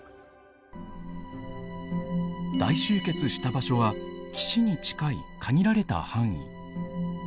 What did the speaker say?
大集結した場所は岸に近い限られた範囲。